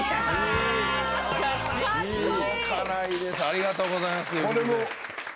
ありがとうございます。